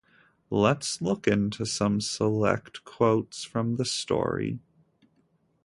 Let’s look into some select quotes from the story.